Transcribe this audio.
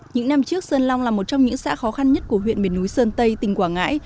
những năm trước sơn long là một trong những xã khó khăn nhất của huyện miền núi sơn tây tỉnh quảng ngãi